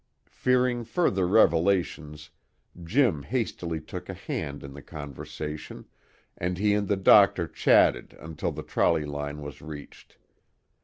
Fearing further revelations, Jim hastily took a hand in the conversation, and he and the doctor chatted until the trolley line was reached.